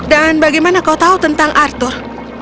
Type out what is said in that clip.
dan bagaimana kau tau tentang arthur